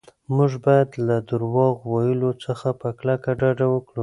موږ باید له درواغ ویلو څخه په کلکه ډډه وکړو.